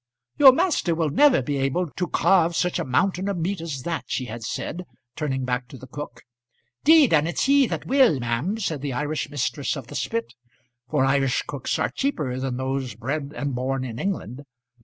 "Your master will never be able to carve such a mountain of meat as that," she had said, turning back to the cook. "Deed, an' it's he that will, ma'am," said the Irish mistress of the spit; for Irish cooks are cheaper than those bred and born in England.